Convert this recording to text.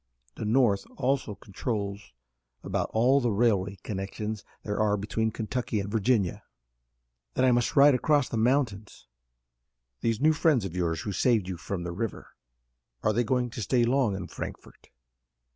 The North also controls about all the railway connections there are between Kentucky and Virginia." "Then I must ride across the mountains." "These new friends of yours who saved you from the river, are they going to stay long in Frankfort?"